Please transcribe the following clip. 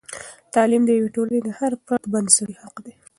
تعلیم د یوې ټولنې د هر فرد بنسټي حق دی.